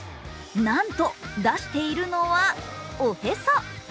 なんと、出しているのはおへそ。